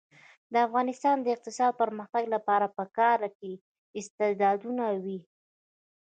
د افغانستان د اقتصادي پرمختګ لپاره پکار ده چې استعدادونه وي.